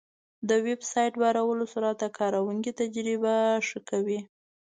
د ویب سایټ بارولو سرعت د کارونکي تجربه ښه کوي.